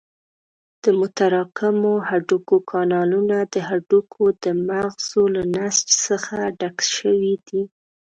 د متراکمو هډوکو کانالونه د هډوکو د مغزو له نسج څخه ډک شوي دي.